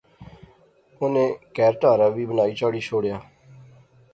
انی کہھر ٹہارا وی بنائی چاڑی شوڑیا